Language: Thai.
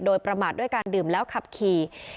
โดยประมาทด้วยการดื่มแล้วขับขี่